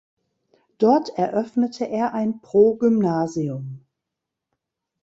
Dort eröffnete er ein Progymnasium.